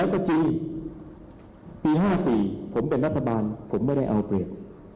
พี่ปี๕๔ผมเป็นนัฐบาลผมไม่ได้เอาเปรียบ